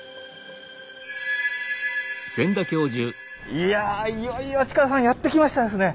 いやいよいよ近田さんやって来ましたですね。